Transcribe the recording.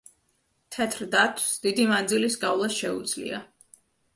თეთრ დათვს დიდი მანძილის გავლა შეუძლია.